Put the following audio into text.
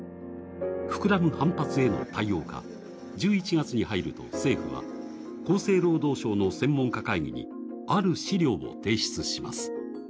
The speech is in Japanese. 膨らむ反発への対応か、１１月に入り政府は、厚生労働省の専門家会議にある資料を提出します。